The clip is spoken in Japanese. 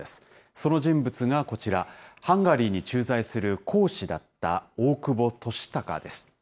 その人物がこちら、ハンガリーに駐在する公使だった大久保利隆です。